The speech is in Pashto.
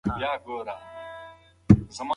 تمرین کول ګټه لري.